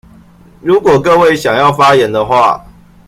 如果各位想要發言的話